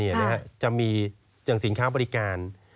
อย่างสินค้าบริการ